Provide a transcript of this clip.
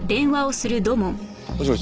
もしもし。